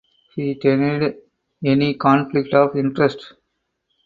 He denied any conflict of interest.